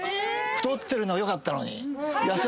太ってるのがよかったのに。